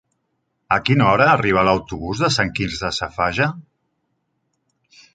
A quina hora arriba l'autobús de Sant Quirze Safaja?